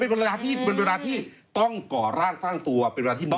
มันเป็นเวลาที่ต้องก่อร่างสร้างตัวเป็นเวลาที่เหนื่อย